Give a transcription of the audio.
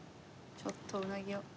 ちょっとうなぎを。